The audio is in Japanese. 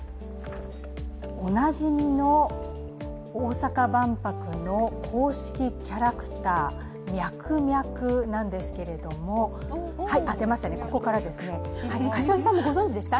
おなじみの大阪万博の公式キャラクターミャクミャクなんですけれども柏木さんもご存じでした？